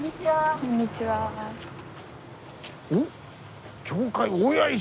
こんにちは。おっ！